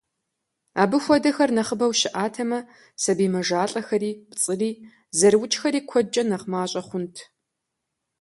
Абы хуэдэхэр нэхъыбэу щыӏатэмэ, сабий мэжалӏэхэри, пцӏыри, зэрыукӏхэри куэдкӏэ нэхъ мащӏэ хъунт.